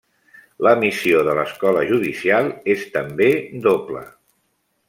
La missió de l'Escola Judicial és també doble.